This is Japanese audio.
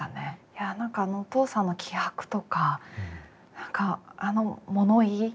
いや何かあのお父さんの気迫とかあの物言い。